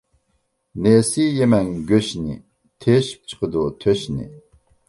نېسى يېمەڭ گۆشنى، تېشىپ چىقىدۇ تۆشنى.